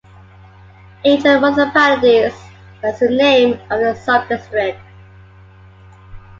Each of the municipalities has the name of the sub-district.